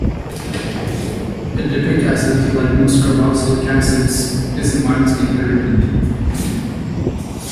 Adipic acid, like most carboxylic acids, is a mild skin irritant.